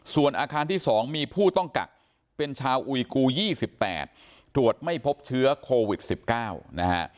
ส่วนอาคารที่๒มีผู้ต้องกักเป็นชาวอุยกู๒๘ตรวจไม่พบเชื้อโควิด๑๙นะฮะ